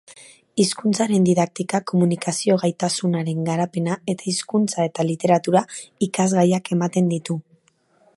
Hizkuntzaren didaktika, komunikazio-gaitasunaren garapena eta hizkuntza eta literatura ikasgaiak ematen ditu.